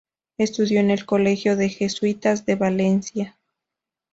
Estudió en el colegio de jesuitas de Valencia.